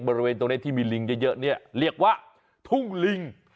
บริเวณตรงนี้ที่มีลิงเยอะเนี่ยเรียกว่าทุ่งลิง